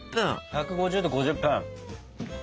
１５０℃５０分。